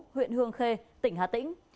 huyện hương khê tỉnh hà tĩnh